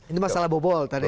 ini masalah bobol tadi